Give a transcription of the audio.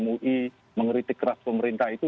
mui mengeritik keras pemerintah itu